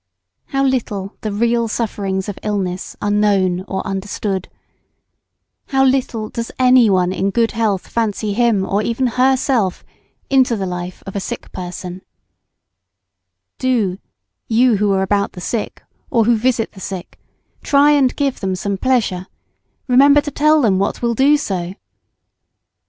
How little the real sufferings of illness are known or understood. How little does any one in good health fancy him or even _her_self into the life of a sick person. [Sidenote: Means of giving pleasure to the sick.] Do, you who are about the sick or who visit the sick, try and give them pleasure, remember to tell them what will do so.